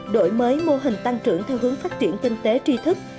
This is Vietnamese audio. đổi mới mô hình tăng trưởng theo hướng phát triển kinh tế tri thức